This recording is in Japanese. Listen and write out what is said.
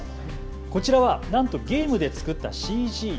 こちらはなんとゲームで作ったＣＧ。